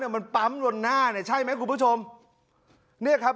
มันปั๊มวนหน้าเนี่ยใช่ไหมคุณผู้ชมเนี่ยครับ